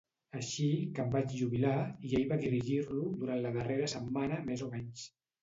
Així que em vaig jubilar i ell va dirigir-lo durant la darrera setmana més o menys.